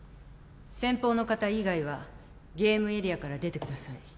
先鋒の方以外はゲームエリアから出てください。